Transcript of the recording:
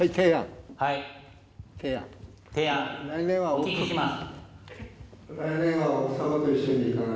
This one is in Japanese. お聞きします。